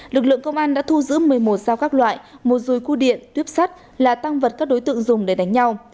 lực lượng công an đã thu giữ một mươi một dao các loại một dùi cu điện tuyếp sắt là tăng vật các đối tượng dùng để đánh nhau